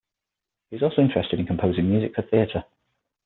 He is also interested in composing music for theatre.